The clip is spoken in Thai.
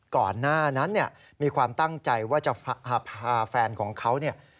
ก่อนหน้านั้นเนี่ยมีความตั้งใจว่าจะพาแฟนของเขาเนี่ย